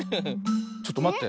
ちょっとまって。